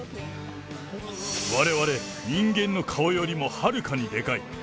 われわれ人間の顔よりもはるかにでかい。